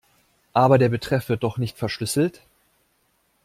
Aber der Betreff wird doch nicht verschlüsselt.